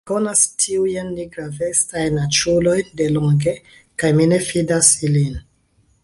Mi konas tiujn nigravestajn aĉulojn delonge, kaj mi ne fidas ilin.